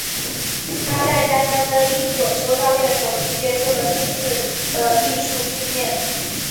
他在家乡的一所修道院首次接触了正式的艺术训练。